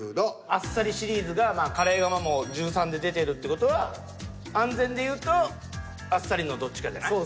あっさりシリーズがカレーがもう１３で出てるっていう事は安全でいうとあっさりのどっちかじゃない？